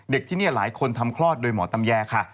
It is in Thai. ที่นี่หลายคนทำคลอดโดยหมอตำแยค่ะ